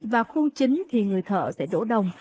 và khuôn chính thì người thợ sẽ đổ đồng